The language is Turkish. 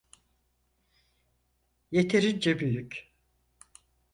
Yeterince büyük.